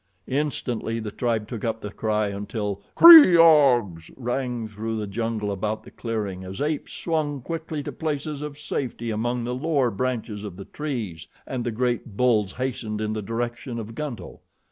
Instantly the tribe took up the cry until "Kreeg ahs!" rang through the jungle about the clearing as apes swung quickly to places of safety among the lower branches of the trees and the great bulls hastened in the direction of Gunto.